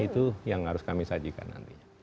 itu yang harus kami sajikan nantinya